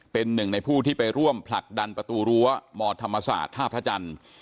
เป็นหนึ่งในผู้ที่ไปร่วมผลักดันประตูรั้วมธรรมศาสตร์ท่าพระจันทร์